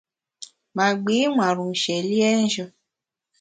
Ma gbi nwar-u nshié liénjù.